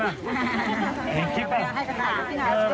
เห็นคลิปหรือ